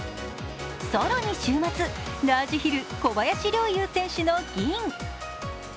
更に週末、ラージヒル小林陵侑選手の銀。